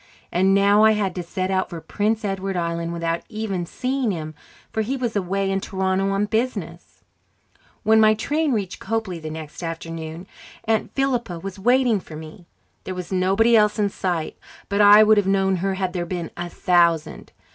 And now I had to set out for Prince Edward Island without even seeing him, for he was away in Toronto on business. When my train reached Copely the next afternoon, Aunt Philippa was waiting for me. There was nobody else in sight, but I would have known her had there been a thousand.